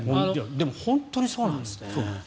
でも本当にそうなんですね。